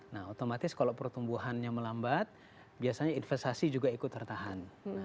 nah otomatis kalau pertumbuhannya melambat biasanya investasi juga ikut tertahan